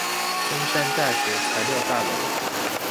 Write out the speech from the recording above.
中山大學材料大樓